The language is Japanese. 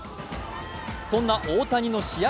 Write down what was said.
そんな大谷の試合